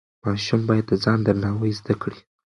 ماشوم باید د ځان درناوی زده کړي.